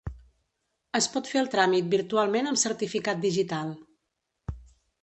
Es pot fer el tràmit virtualment amb certificat digital.